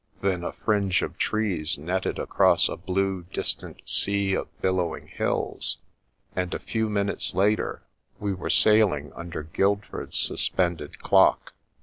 Then a fringe of trees netted across a blue, distant sea of billowing hills, and a few minutes later we were sailing under Guildford's suspended clock.